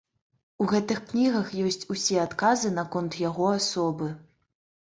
У гэтых кнігах ёсць усе адказы наконт яго асобы.